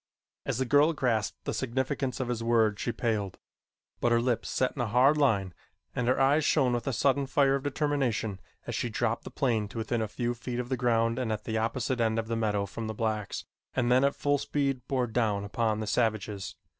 As the girl grasped the significance of his words she paled, but her lips set in a hard line and her eyes shone with a sudden fire of determination as she dropped the plane to within a few feet of the ground and at the opposite end of the meadow from the blacks and then at full speed bore down upon the savages.